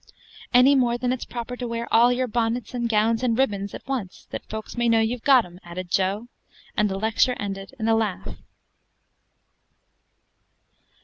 "Any more than it's proper to wear all your bonnets, and gowns and ribbons, at once, that folks may know you've got 'em," added Jo; and the lecture ended in a laugh.